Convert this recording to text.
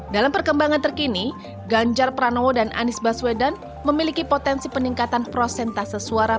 dalam perkembangan terkini ganjar pranowo dan anies baswedan memiliki potensi peningkatan prosentase suara